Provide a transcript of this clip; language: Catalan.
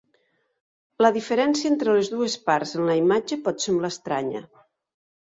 La diferència entre les dues parts en la imatge pot semblar estranya.